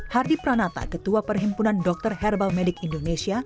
hardi pranata ketua perhimpunan dokter herbalmedic indonesia